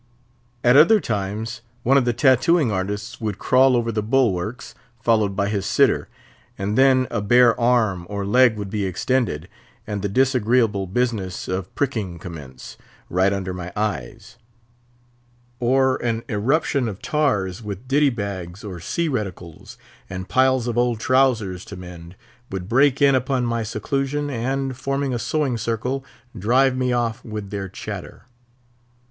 At other times, one of the tattooing artists would crawl over the bulwarks, followed by his sitter; and then a bare arm or leg would be extended, and the disagreeable business of "pricking" commence, right under my eyes; or an irruption of tars, with ditty bags or sea reticules, and piles of old trowsers to mend, would break in upon my seclusion, and, forming a sewing circle, drive me off with their chatter.